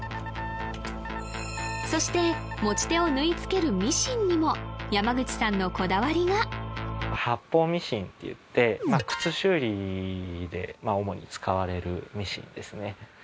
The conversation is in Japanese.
そして持ち手を縫い付けるミシンにも山口さんのこだわりが八方ミシンっていって靴修理で主に使われるミシンですね